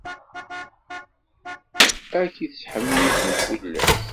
Ad k-ittḥemmid mkul ass.